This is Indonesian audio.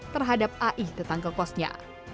terhadap ai tetangga kosnya